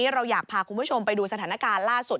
เราอยากพาคุณผู้ชมไปดูสถานการณ์ล่าสุด